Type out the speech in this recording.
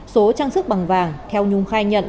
số trang sức bằng vàng theo nhung khai nhận